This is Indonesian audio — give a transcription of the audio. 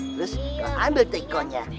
terus kau ambil tekonya